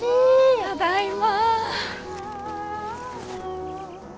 ただいま。